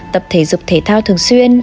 tập thể dục thể thao thường xuyên